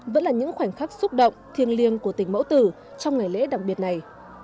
vẫn là những khoảnh khắc xúc động thiêng liêng của tình mẫu tử trong ngày lễ đặc biệt này